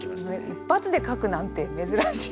一発で書くなんて珍しい。